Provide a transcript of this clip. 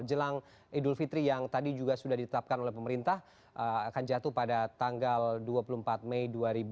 jelang idul fitri yang tadi juga sudah ditetapkan oleh pemerintah akan jatuh pada tanggal dua puluh empat mei dua ribu dua puluh